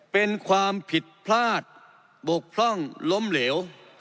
เป็นความผิดพลาดบกพร่องล้มเหลว